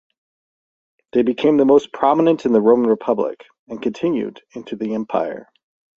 They became most prominent in the Roman Republic, and continued into the Empire.